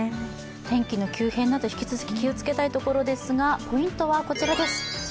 天気の急変など、引き続き気をつけたいところですが、ポイントはこちらです。